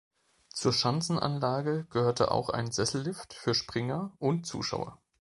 Zur Schanzenanlage gehörte auch ein Sessellift für Springer und Zuschauer.